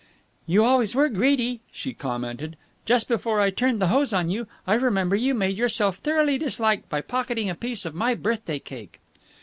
"You always were greedy," she commented. "Just before I turned the hose on you, I remember you had made yourself thoroughly disliked by pocketing a piece of my birthday cake."